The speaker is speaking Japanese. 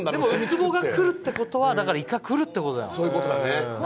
ウツボが来るってことは、イカが来るってことなんだね。